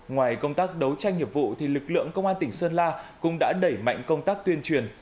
ngoài công tác đấu tranh hiệp vụ lực lượng công an tỉnh sơn la cũng đã đẩy mạnh công tác tuyên truyền